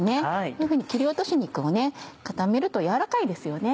こういうふうに切り落とし肉を固めるとやわらかいですよね。